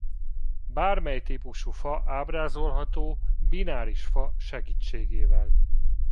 Bármely típusú fa ábrázolható bináris fa segítségével.